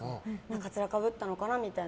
カツラかぶったのかなみたいな。